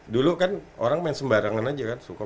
dulu kan orang main sembarangan aja kan suka